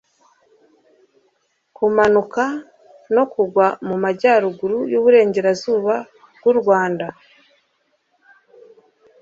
kumanuka no kugwa mu majyaruguru y'uburengerazuba bw'u rwanda